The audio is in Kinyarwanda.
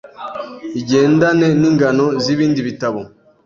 igendane n’ingano z’ibindi bitabo